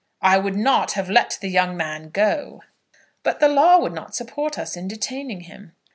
"I would not have let the young man go." "But the law would not support us in detaining him."